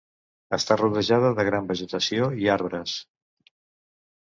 Està rodejada de gran vegetació i arbres.